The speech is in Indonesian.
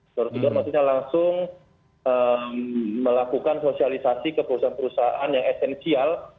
door to door maksudnya langsung melakukan sosialisasi ke perusahaan perusahaan yang esensial